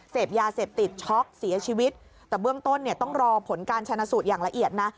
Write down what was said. เสพยาเสพติดช็อกเสียชีวิตแต่เบื้องต้นเนี่ยต้องรอผลการชนะสูตรอย่างละเอียดนะ